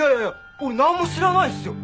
俺なんも知らないっすよ！